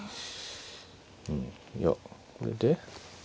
うんいやこれで。